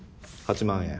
８万円。